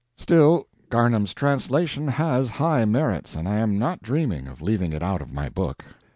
Still, Garnham's translation has high merits, and I am not dreaming of leaving it out of my book.